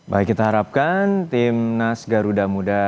baik kita harapkan tim nas garuda muda